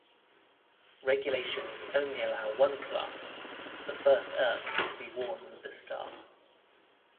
Regulations only allow one clasp, the first earned, to be worn with the Star.